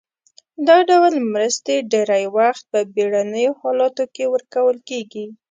دا ډول مرستې ډیری وخت په بیړنیو حالاتو کې ورکول کیږي.